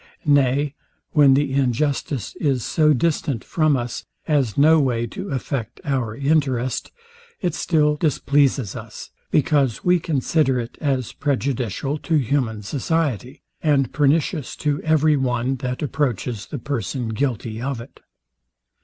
Nay when the injustice is so distant from us, as no way to affect our interest, it still displeases us; because we consider it as prejudicial to human society, and pernicious to every one that approaches the person guilty of it.